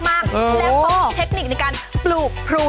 แล้วเขามีเทคนิคในการปลูกพลู